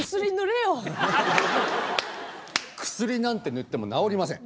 薬なんて塗っても治りません。